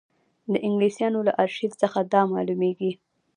د انګلیسیانو له ارشیف څخه دا معلومېږي.